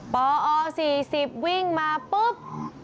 ปอ๔๐วิ่งมาปุ๊บ